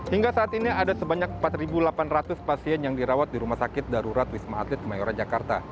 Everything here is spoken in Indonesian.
hingga saat ini ada sebanyak empat delapan ratus pasien yang dirawat di rumah sakit darurat wisma atlet kemayoran jakarta